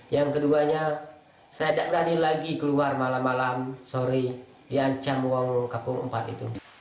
yang keduanya saya tak ngani lagi keluar malam malam sorry diancam wawung kapur empat itu